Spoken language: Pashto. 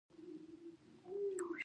نیکه د حجرې سرسړی وي.